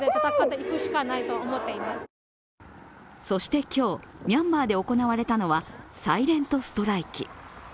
そして今日、ミャンマーで行われたのはサイレント・ストライキ。